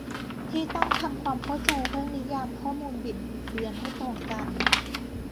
ที่ต้องทำความเข้าใจเรื่องนิยามข้อมูลบิดบิดเบือนให้ตรงกัน